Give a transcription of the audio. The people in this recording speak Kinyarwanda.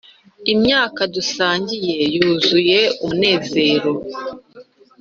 imyaka dusangiye yuzuye umunezero.